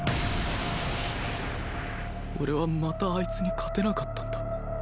俺はまたあいつに勝てなかったんだ